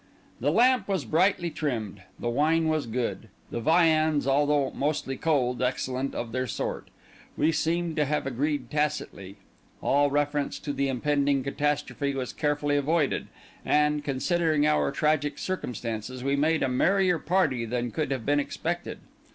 The lamp was brightly trimmed; the wine was good; the viands, although mostly cold, excellent of their sort. We seemed to have agreed tacitly; all reference to the impending catastrophe was carefully avoided; and, considering our tragic circumstances, we made a merrier party than could have been expected.